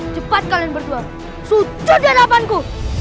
cepat kalian berdua sujud dan abanku